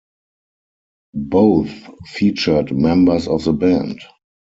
Both featured members of the band.